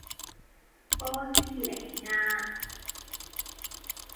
波斯尼亞